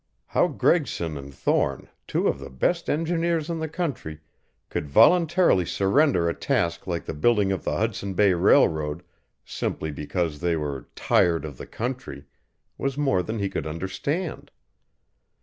How Gregson and Thorne, two of the best engineers in the country, could voluntarily surrender a task like the building of the Hudson Bay Railroad simply because they were "tired of the country" was more than he could understand.